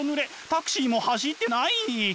タクシーも走ってない！